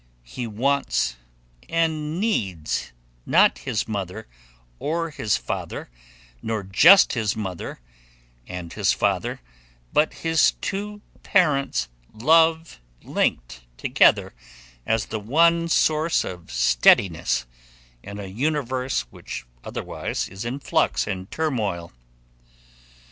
He wants and needs not his mother or his father, nor just his mother and his father, but his two parents love linked together as the one source of steadiness in a universe which otherwise is in flux and turmoil.